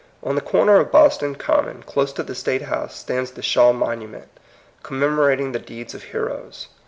On the corner of Boston Common close to the State House stands the Shaw Mon ument, commemorating the deeds of heroes.